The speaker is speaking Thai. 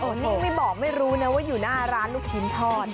นี่ไม่บอกไม่รู้นะว่าอยู่หน้าร้านลูกชิ้นทอด